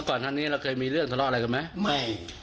ก่อนท่านนี้เราเคยมีเรื่องสตรอกอะไรกันไหมไม่